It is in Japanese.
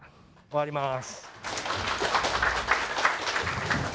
終わります。